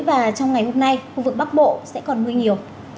và trong ngày hôm nay khu vực bắc bộ sẽ còn mưa nhiều